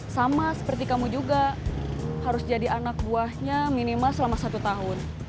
sama seperti kamu juga harus jadi anak buahnya minimal selama satu tahun